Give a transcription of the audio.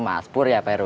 mas pur ya pak rw